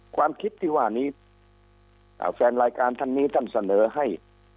ความคิดที่ว่านี้แฟนรายการท่านนี้ท่านเสนอให้